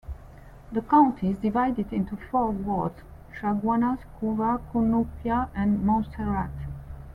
The county is divided into four Wards: Chaguanas, Couva, Cunupia and Montserrat.